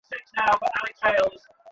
হ্যাঁ, রোহান।